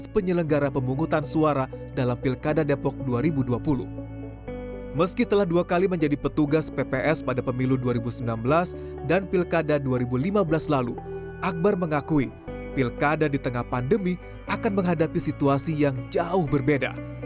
pemilihan pemilihan pilkada dua ribu lima belas lalu akbar mengakui pilkada di tengah pandemi akan menghadapi situasi yang jauh berbeda